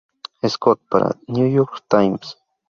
Scott para "The New York Times".